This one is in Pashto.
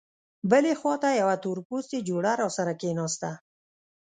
بلې خوا ته یوه تورپوستې جوړه راسره کېناسته.